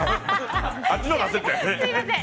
あっちのほうが焦ったよね。